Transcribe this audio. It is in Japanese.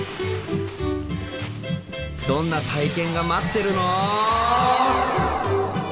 どんな体験が待ってるの？